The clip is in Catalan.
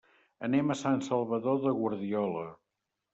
Anem a Sant Salvador de Guardiola.